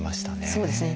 そうですね。